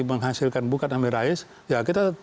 menghasilkan bukaan amir rais ya kita